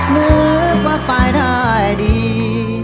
นึกว่าไปได้ดี